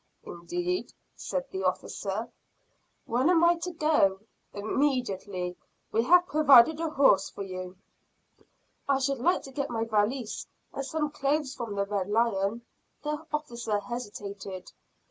"Indeed!" said the officer. "When am I to go?" "Immediately. We have provided a horse for you." "I should like to get my valise, and some clothes from the Red Lion." The officer hesitated.